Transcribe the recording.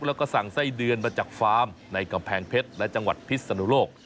แล้วก็สั่งไส้เดือนมาจากฟาร์มในกำแพงเพชรและจังหวัดพิษนุโลก